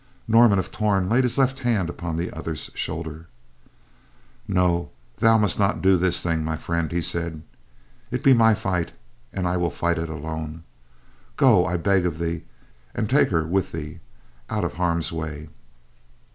Norman of Torn laid his left hand upon the other's shoulder. "No, thou must not do this thing, my friend," he said. "It be my fight and I will fight it alone. Go, I beg of thee, and take her with thee, out of harm's way."